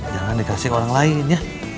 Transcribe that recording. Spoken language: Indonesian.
jangan dikasih ke orang lain ya